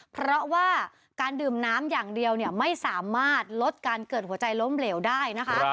เพราะว่าการดื่มน้ำอย่างเดียวไม่สามารถลดการเกิดหัวใจล้มเหลวได้นะคะ